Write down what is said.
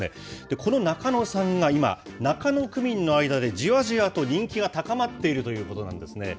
このナカノさんが今、中野区民の間でじわじわと人気が高まっているということなんですね。